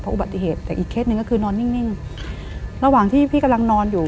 อุบัติเหตุแต่อีกเคสหนึ่งก็คือนอนนิ่งระหว่างที่พี่กำลังนอนอยู่